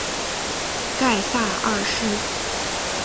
盖萨二世。